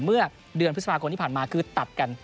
เมื่อเดือนพฤษภาคมที่ผ่านมาคือตัดกัน